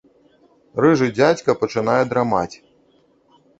Рыжы дзядзька пачынае драмаць.